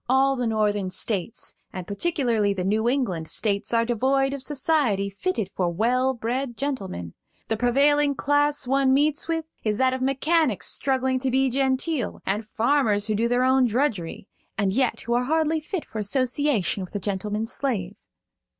All the Northern States, and particularly the New England States, are devoid of society fitted for well bred gentlemen. The prevailing class one meets with is that of mechanics struggling to be genteel, and farmers who do their own drudgery, and yet who are hardly fit for association with a gentleman's slave.